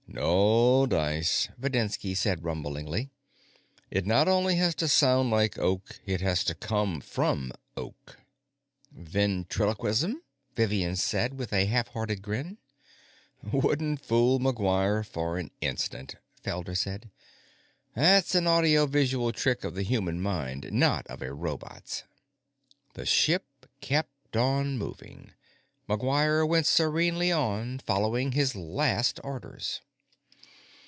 "No dice," Videnski said rumblingly. "It not only has to sound like Oak, it has to come from Oak." "Ventriloquism?" Vivian said with a half hearted grin. "Wouldn't fool McGuire for an instant," Felder said. "That's an audio visual trick of the human mind, not of a robot's." The ship kept on moving. McGuire went serenely on, following his last orders.